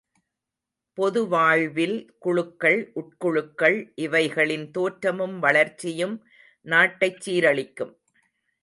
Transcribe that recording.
பொது வாழ்வில் குழுக்கள், உட்குழுக்கள் இவைகளின் தோற்றமும் வளர்ச்சியும் நாட்டைச் சீரழிக்கும்.